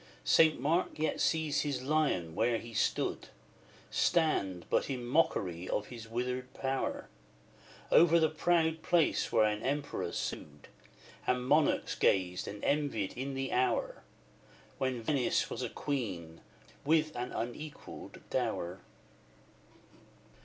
St. Mark yet sees his lion where he stood Stand, but in mockery of his withered power, Over the proud place where an Emperor sued, And monarchs gazed and envied in the hour When Venice was a queen with an unequalled dower.